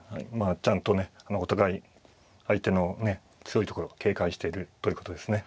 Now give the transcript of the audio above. ちゃんとねお互い相手のね強いところ警戒してるということですね。